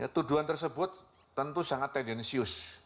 tuduhan tersebut tentu sangat tendensius